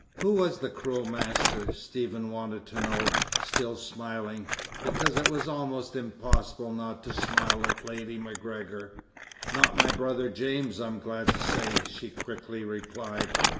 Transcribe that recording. "Who was the cruel master?" Stephen wanted to know, still smiling, because it was almost impossible not to smile at Lady MacGregor. "Not my brother James, I'm glad to say," she quickly replied.